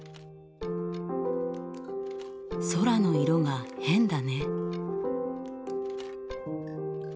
空の色が変だね。